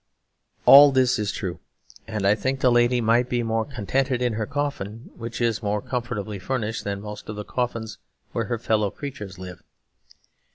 All this is true, and I think the lady might be more contented in her coffin, which is more comfortably furnished than most of the coffins where her fellow creatures live.